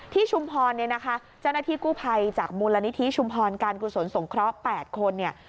ชุมพรเนี่ยนะคะเจ้าหน้าที่กู้ภัยจากมูลนิธิชุมพรการกุศลสงเคราะห์๘คนเนี่ย